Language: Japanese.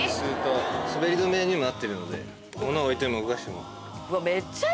滑り止めにもなってるので物置いても動かしても。